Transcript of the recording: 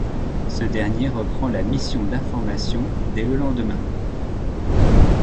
Ce dernier reprend la mission d'information dès le lendemain.